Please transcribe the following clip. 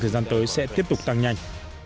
thời gian tới sẽ tiếp tục tăng nhanh